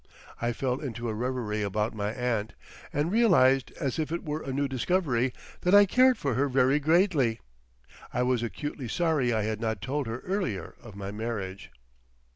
I fell into a reverie about my aunt, and realised as if it were a new discovery, that I cared for her very greatly. I was acutely sorry I had not told her earlier of my marriage.